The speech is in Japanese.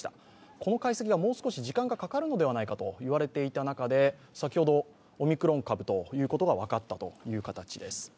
この解析がもう少し時間がかかるのではないかと言われていた中で、先ほど、オミクロン株ということが分かったという形です。